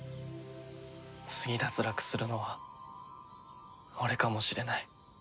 次脱落するのは俺かもしれない。